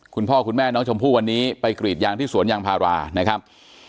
คุณพ่อคุณแม่น้องชมพู่วันนี้ไปกรีดยางที่สวนยางพารานะครับ